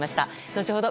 後ほど